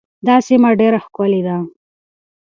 دا سیمه ډېره ښکلې ده.